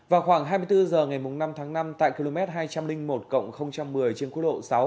vào khoảng hai mươi bốn giờ ngày năm tháng năm tại km hai trăm linh một một mươi trên khu đô sáu